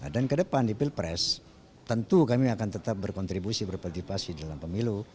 dan ke depan di pilpres tentu kami akan tetap berkontribusi berpartipasi